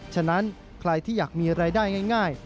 ฉะนั้นใครที่อยากมีรายได้ง่าย